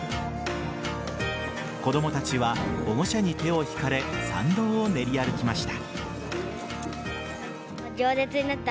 子供たちは保護者に手をひかれ参道を練り歩きました。